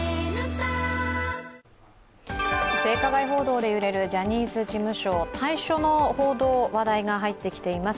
性加害報道で揺れるジャニーズ事務所、退所の報道、話題が入ってきています。